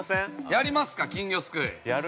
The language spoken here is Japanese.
◆やりますか、金魚すくい。